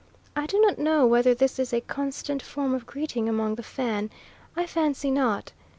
I do not know whether this is a constant form of greeting among the Fan; I fancy not.